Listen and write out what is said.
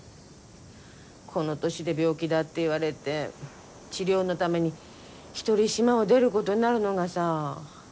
この年で病気だって言われて治療のために一人島を出ることになるのがさ。